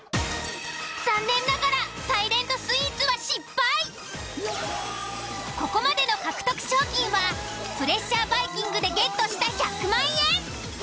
残念ながらここまでの獲得賞金はプレッシャーバイキングでゲットした１００万円。